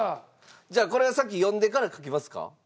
じゃあこれを先読んでから書きますか？